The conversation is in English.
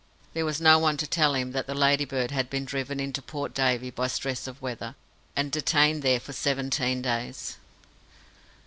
There was no one to tell him that the Ladybird had been driven into Port Davey by stress of weather, and detained there for seventeen days.